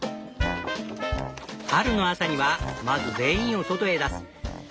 春の朝にはまず全員を外へ出す。